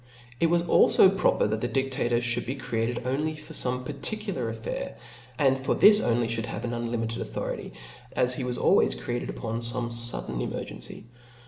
It was alfo proper that the didlator fhould be created only for fome particular affair, and for this only fliould have an unlimited authority, as be was always created upon fome fudden emergency.